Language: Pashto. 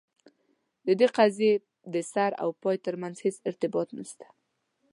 د دې قضیې د سر او پای ترمنځ هیڅ ارتباط نسته.